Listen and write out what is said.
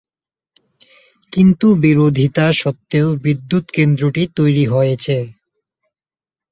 কিন্তু বিরোধিতা সত্ত্বেও বিদ্যুত কেন্দ্রটি তৈরি করা হয়েছে।